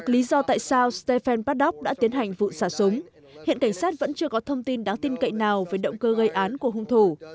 lý do tại sao stephen patdock đã tiến hành vụ xả súng hiện cảnh sát vẫn chưa có thông tin đáng tin cậy nào về động cơ gây án của hung thủ